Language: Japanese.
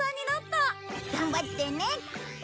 頑張ってね。